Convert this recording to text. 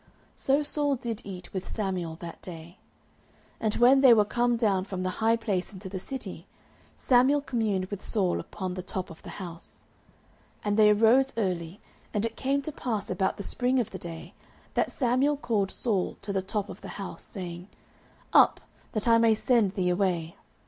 So Saul did eat with Samuel that day. 09:009:025 And when they were come down from the high place into the city, Samuel communed with Saul upon the top of the house. 09:009:026 And they arose early: and it came to pass about the spring of the day, that Samuel called Saul to the top of the house, saying, Up, that I may send thee away.